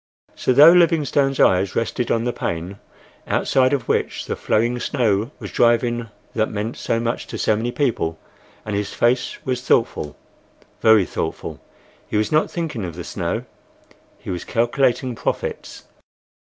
So, though Livingstone's eyes rested on the pane, outside of which the flurrying snow was driving that meant so much to so many people, and his face was thoughtful—very thoughtful—he was not thinking of the snow, he was calculating profits.